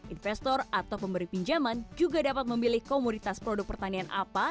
investor atau pemberi pinjaman juga dapat memilih komoditas produk pertanian apa